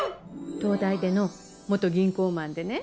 東大出の元銀行マンでね